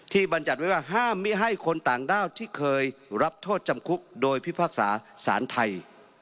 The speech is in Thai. บรรยัติไว้ว่าห้ามไม่ให้คนต่างด้าวที่เคยรับโทษจำคุกโดยพิพากษาสารไทย